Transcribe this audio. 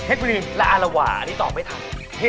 เผ็ดปรีนแล้วอารวาอันนี้ตอบไม่ถูก